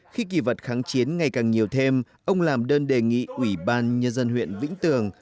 khi kỳ vật kháng chiến ngày càng nhiều thêm ông làm đơn đề nghị ủy ban nhân dân huyện vĩnh tường